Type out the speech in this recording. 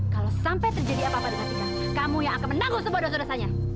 kalau sampai terjadi apa apa dengan ika kamu yang akan menangguh sebuah dosa dosanya